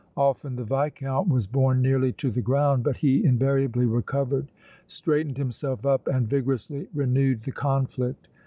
Often the Viscount was borne nearly to the ground but he invariably recovered, straightened himself up and vigorously renewed the conflict.